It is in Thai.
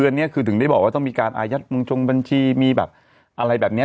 นี้คือถึงได้บอกว่าต้องมีการอายัดมงชงบัญชีมีแบบอะไรแบบนี้